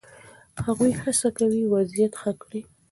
هغوی هڅه کوي وضعیت ښه کړي.